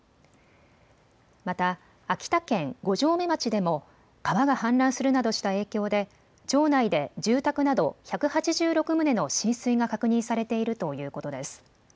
また秋田県五城目町でも川が氾濫するなどした影響で町内で住宅など１８６棟の浸水が確認されているということです。